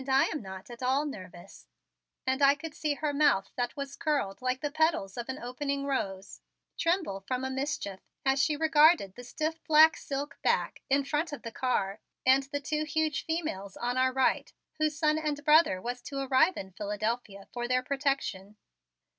I am not at all nervous," and I could see her mouth that was curled like the petals of an opening rose tremble from a mischief as she regarded the stiff black silk back in the front of the car and the two huge females on our right whose son and brother was to arrive in Philadelphia for their protection.